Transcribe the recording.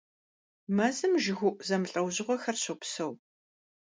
Мэзым жыгыуӀу зэмылӀэужьыгъуэхэр щопсэу.